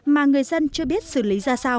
mà người dân chưa biết sử dụng